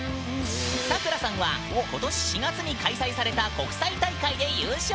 さくらさんは今年４月に開催された国際大会で優勝。